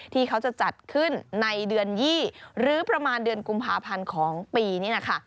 ที่เขาจะจัดขึ้นในเดือน๒หรือประมาณเดือนกุมภาพันธ์ของปีนี้นะคะ